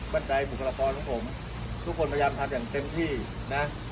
บรรจุบุคลากรของผมทุกคนพยายามทำอย่างเต็มที่นะ